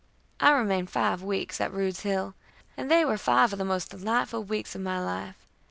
I remained five weeks at Rude's Hill, and they were five of the most delightful weeks of my life.